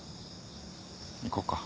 行こうか？